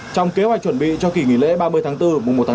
trong kế hoạch chuẩn bị cho kỳ nghỉ lễ ba mươi tháng bốn mùa một tháng năm